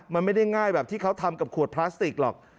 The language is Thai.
มันไม่ได้ง่ายแบบที่เขาทำกับขวดพลาสติกหรอก